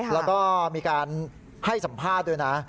แล้วก็มีการให้สัมภาษณ์ด้วยนะ